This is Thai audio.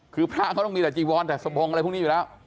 คือพระเขาต้องมีแต่จีวอนแต่สะบงอะไรพวกนี้อยู่แล้ว